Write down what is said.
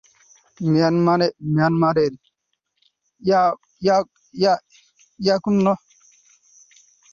মিয়ানমারের ইয়াঙ্গুন শহরে বোমা স্থাপনের অভিযোগে তিন ব্যক্তিকে আটক করেছে দেশটির পুলিশ।